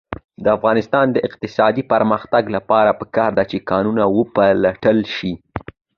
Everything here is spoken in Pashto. د افغانستان د اقتصادي پرمختګ لپاره پکار ده چې کانونه وپلټل شي.